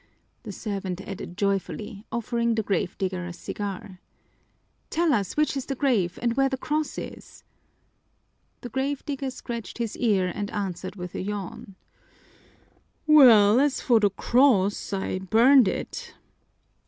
the servant added joyfully, offering the grave digger a cigar. "Tell us which is the grave and where the cross is." The grave digger scratched his ear and answered with a yawn: "Well, as for the cross, I burned it."